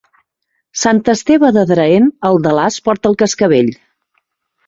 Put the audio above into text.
Sant Esteve d'Adraén, el d'Alàs porta el cascavell.